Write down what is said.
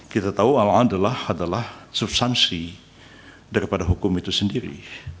kita tahu ala an adalah adalah subsansi daripada hukum itu sendiri